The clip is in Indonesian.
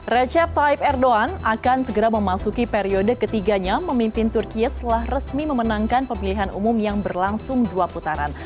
recep taype erdogan akan segera memasuki periode ketiganya memimpin turkiye setelah resmi memenangkan pemilihan umum yang berlangsung dua putaran